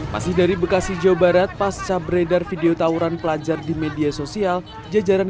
masih dari bekasi jawa barat pasca beredar video tawuran pelajar di media sosial jajaran